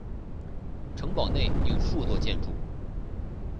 城堡内有数座建筑。